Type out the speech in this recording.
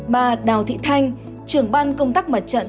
bà đào thị thanh trưởng ban công tác mặt trận